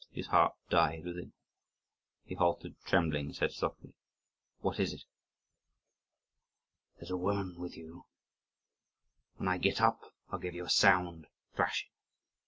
His heart died within him. He halted, trembling, and said softly, "What is it?" "There's a woman with you. When I get up I'll give you a sound thrashing.